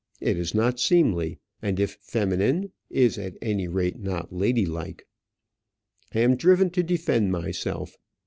It is not seemly; and, if feminine, is at any rate not ladylike. I am driven to defend myself.